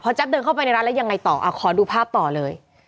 แจ๊บเดินเข้าไปในร้านแล้วยังไงต่อขอดูภาพต่อเลย